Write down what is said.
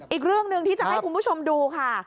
อีกเรื่องหนึ่งที่จะให้คุณผู้ชมดูค่ะ